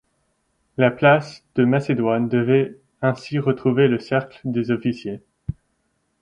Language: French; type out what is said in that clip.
La place de Macédoine devait ainsi retrouver le Cercle des Officiers.